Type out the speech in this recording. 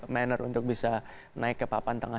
mener untuk bisa naik ke papan tengah